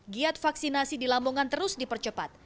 giat vaksinasi di lamongan terus dipercepat